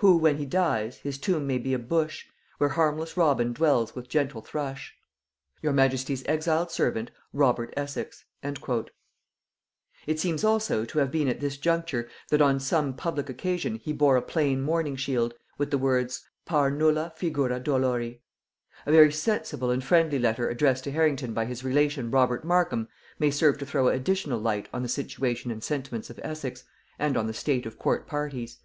Who when he dies, his tomb may be a bush, Where harmless robin dwells with gentle thrush." "Your majesty's exiled servant "ROBERT ESSEX." It seems also to have been at this juncture that on some public occasion he bore a plain mourning shield, with the words, "Par nulla figura dolori." A very sensible and friendly letter addressed to Harrington by his relation Robert Markham may serve to throw additional light on the situation and sentiments of Essex, and on the state of court parties.